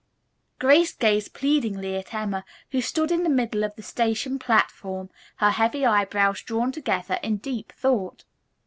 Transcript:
Grace gazed pleadingly at Emma, who stood in the middle of the station platform, her heavy eyebrows drawn together in deep thought.